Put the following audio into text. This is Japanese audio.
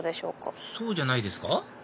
そうじゃないですか？